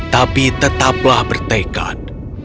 tapi tetaplah bertekad